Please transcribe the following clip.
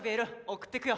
送ってくよ。